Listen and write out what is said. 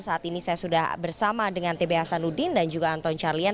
saat ini saya sudah bersama dengan tb hasanuddin dan juga anton carlyan